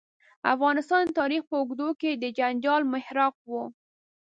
افغانستان د تاریخ په اوږدو کې د جنجال محراق و.